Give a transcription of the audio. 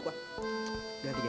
gatikan dia dia